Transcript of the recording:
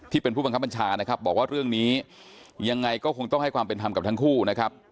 ผู้เป็นผู้บังคับบัญชานะครับบอกว่าเรื่องนี้ยังไงก็คงต้องให้ความเป็นธรรมกับทั้งคู่นะครับ